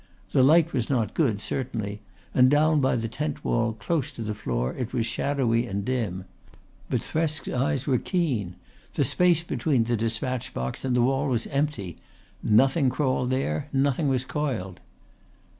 The light was not good certainly, and down by the tent wall there close to the floor it was shadowy and dim. But Thresk's eyes were keen. The space between the despatch box and the wall was empty. Nothing crawled there, nothing was coiled.